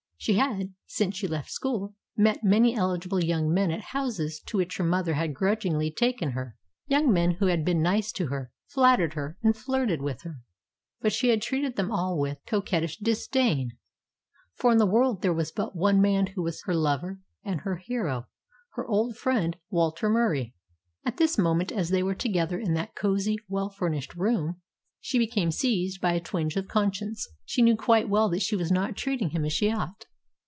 She had, since she left school, met many eligible young men at houses to which her mother had grudgingly taken her young men who had been nice to her, flattered her, and flirted with her. But she had treated them all with coquettish disdain, for in the world there was but one man who was her lover and her hero her old friend Walter Murie. At this moment, as they were together in that cosy, well furnished room, she became seized by a twinge of conscience. She knew quite well that she was not treating him as she ought.